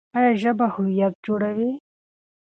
ایا ژبه هویت جوړوي؟